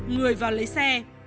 người vào lấy xe